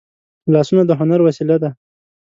لاسونه د هنر وسیله ده